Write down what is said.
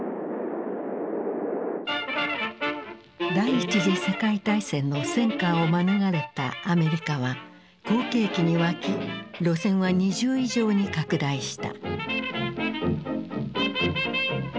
第一次世界大戦の戦禍を免れたアメリカは好景気に沸き路線は２０以上に拡大した。